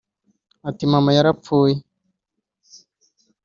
Ati “Mama Yarapfuye